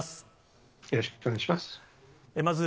よろしくお願いします。